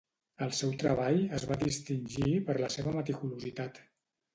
El seu treball es va distingir per la seva meticulositat.